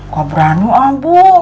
kok berani bu